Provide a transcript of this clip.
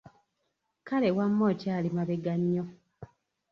Kale wamma okyali mabega nnyo!